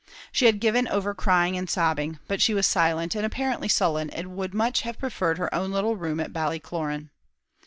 She had given over crying and sobbing; but she was silent, and apparently sullen, and would much have preferred her own little room at Ballycloran.